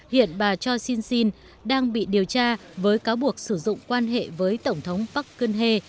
hiện bà choi soon sin đang bị điều tra với cáo buộc sử dụng quan hệ với tổng thống park geun hye